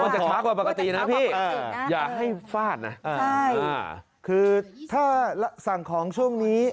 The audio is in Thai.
จะช้ากว่าปกตินะพี่อย่าให้ฟาดนะคือถ้าสั่งของช่วงนี้